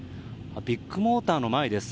ビッグモーターの前です。